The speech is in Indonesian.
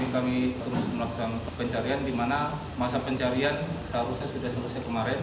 kami terus melakukan pencarian di mana masa pencarian seharusnya sudah selesai kemarin